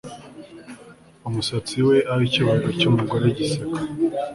Umusatsi we aho icyubahiro cyumugore giseka